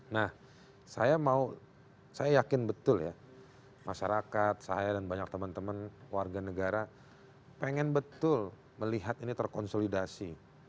nah saya mau saya yakin betul ya masyarakat saya dan banyak teman teman warga negara pengen betul melihat ini terkonsolidasi